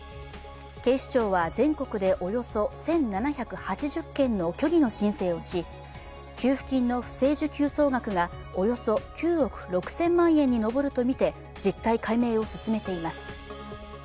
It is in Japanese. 警視庁は全国でおよそ１７８０件の虚偽の申請をし、給付金の不正受給総額がおよそ９億６０００万円に上るとみて実態解明を進めています。